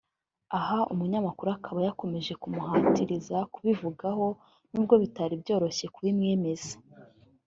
Aha Umunyamakuru akaba yakomeje kumuhatiriza kubivugaho…nubwo bitari byoroshye kubimwemeza